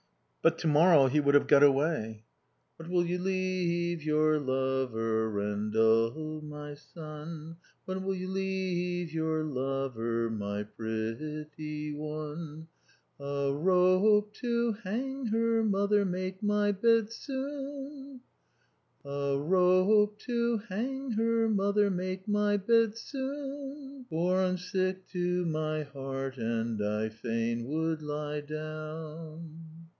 But to morrow he would have got away. "'What will you leave your lover, Rendal, my son? What will you leave your lover, my pretty one? A rope to hang her, mother, A rope to hang her, mother, make my bed soon, For I'm sick to my heart and I fain would lie down.'"